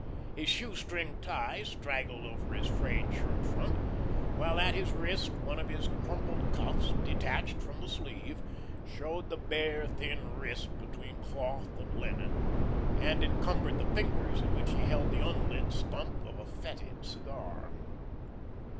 His shoestring tie straggled over his frayed shirt front, while at his wrist one of his crumpled cuffs, detached from the sleeve, showed the bare, thin wrist between cloth and linen, and encumbered the fingers in which he held the unlit stump of a fetid cigar.